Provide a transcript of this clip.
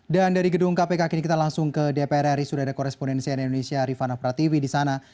dan dari gedung kpk kita langsung ke dpr ri sudah ada koresponensi dari indonesia rifana prativi di sana